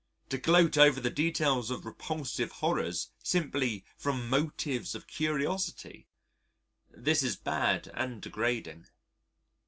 To gloat over the details of repulsive horrors, simply from motives of curiosity this is bad and degrading.